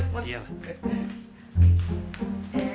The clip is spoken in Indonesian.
wah yang dua ikut lagi bocah